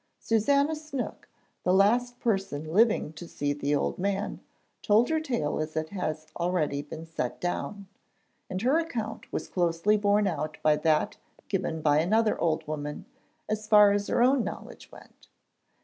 Susannah Snook, the last person living to see the old man, told her tale as it has been already set down, and her account was closely borne out by that given by another old woman as far as her own knowledge went.